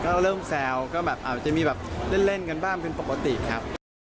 ก็เริ่มแซวก็แบบอาจจะมีแบบเล่นกันบ้างเป็นปกติครับ